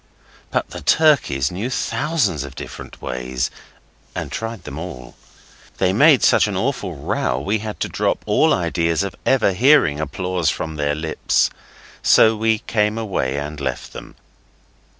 But the turkeys knew thousands of different ways, and tried them all. They made such an awful row, we had to drop all ideas of ever hearing applause from their lips, so we came away and left them.